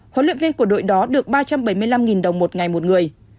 huấn luyện viên của đội đó được ba trăm bảy mươi năm đồng một ngày một người